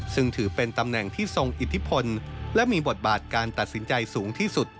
ซึ่งถือเป็นตำแหน่งที่ทรงอิทธิพลและมีบทบาทการตัดสินใจสูงที่สุด